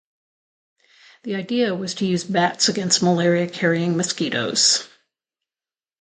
The idea was to use bats against malaria carrying mosquitos.